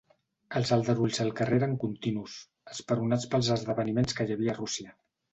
Els aldarulls al carrer eren continus, esperonats pels esdeveniments que hi havia a Rússia.